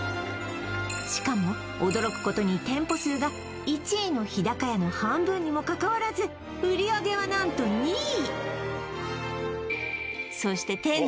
しかも驚くことに店舗数が１位の日高屋の半分にも関わらず売上は何と２位！